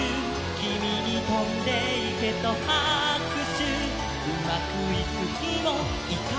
「キミにとんでいけとはくしゅ」「うまくいくひもいかないときも」